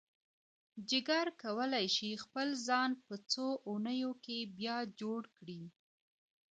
جگر کولی شي خپل ځان په څو اونیو کې بیا جوړ کړي.